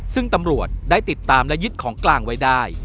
ซึ่งตำรวจได้ติดตามและยึดของกลางไว้ได้